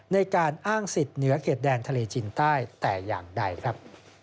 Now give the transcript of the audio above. ในการอ้างสิทธิ์เหนือเขตแดนทะเลจีนใต้แต่อย่างใดครับ